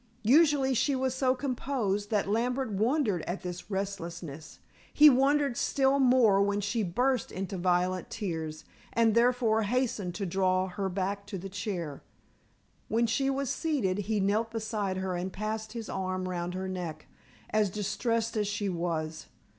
Usually she was so composed that Lambert wondered at this restlessness. He wondered still more when she burst into violent tears, and therefore hastened to draw her back to the chair. When she was seated he knelt beside her and passed his arm round her neck, as distressed as she was.